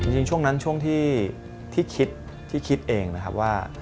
ช่วงนั้นช่วงที่คิดที่คิดเองนะครับว่า